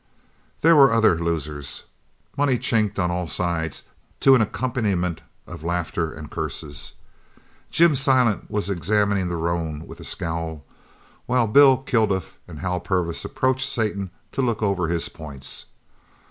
There were other losers. Money chinked on all sides to an accompaniment of laughter and curses. Jim Silent was examining the roan with a scowl, while Bill Kilduff and Hal Purvis approached Satan to look over his points.